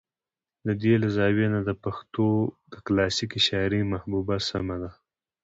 د دې له زاويې نه د پښتو د کلاسيکې شاعرۍ محبوبه سمه ده